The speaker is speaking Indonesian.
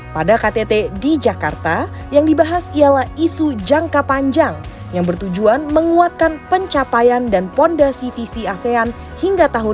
pada ktt di jakarta yang dibahas ialah isu jangka panjang yang bertujuan menguatkan pencapaian dan fondasi visi asean hingga tahun dua ribu dua puluh